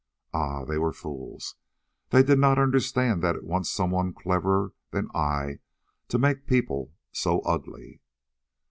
Ah! they were fools; they did not understand that it wants someone cleverer than I to make people so ugly."